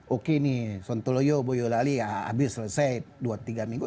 oke nih sontoloyo boyolali ya habis selesai dua tiga minggu